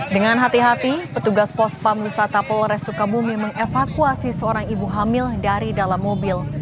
dengan hati hati petugas pospam wisata polres sukabumi mengevakuasi seorang ibu hamil dari dalam mobil